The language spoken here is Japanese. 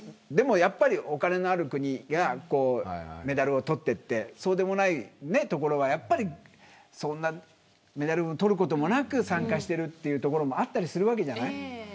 でも、やっぱりお金のある国がメダルを取ってってそうでもない所はメダルを取ることもなく参加してるというところもあったりするわけじゃない。